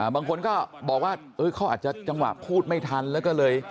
บางคนก็บอกว่าเขาอาจจะจังหวะพูดไม่ทันแล้วก็เลย